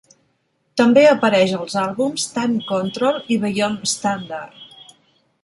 També apareix als àlbums "Time Control" i "Beyond Standard".